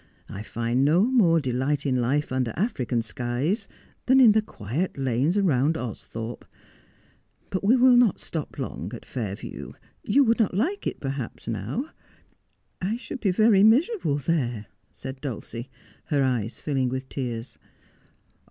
I find no more delight in life under African skies than in the quiet lanes round Austhorpe. But we will not stop long at Fair view — you would not like it perhaps, now '' I should be very miserable there,' said Dulcie, her eyes filling with tears.